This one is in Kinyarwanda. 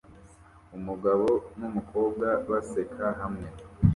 Umugabo numukobwa baseka hamwe